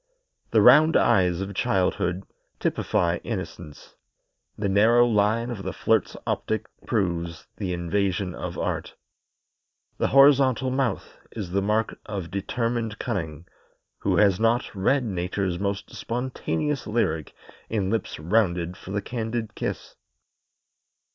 The round eyes of childhood typify innocence; the narrowed line of the flirt's optic proves the invasion of art. The horizontal mouth is the mark of determined cunning; who has not read Nature's most spontaneous lyric in lips rounded for the candid kiss?